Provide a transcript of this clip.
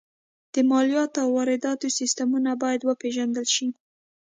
د مالیاتو او وارداتو سیستمونه باید وپېژندل شي